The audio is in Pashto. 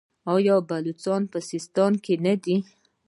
آیا بلوڅان په سیستان کې نه دي؟